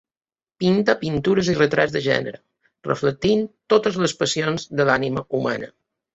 Pintà pintures i retrats de gènere, reflectint totes les passions de l'ànima humana.